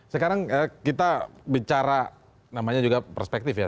sekarang kita bicara namanya juga perspektif ya